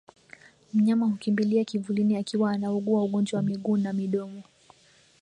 Mnyama hukimbilia kivulini akiwa anaugua ugonjwa wa miguu na midomo